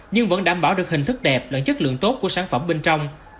nhưng vẫn đảm bảo được hình thức đẹp lẫn chất lượng tốt của sản phẩm bên trong